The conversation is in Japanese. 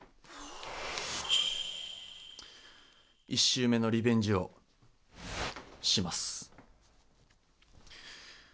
１週目のリベンジをします。